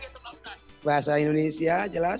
bahasa indonesia bahasa indonesia jelas